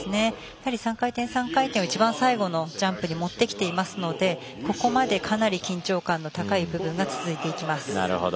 やっぱり３回転、３回転を一番最後に持ってきていますのでここまでかなり緊張感の高い部分が続いていきます。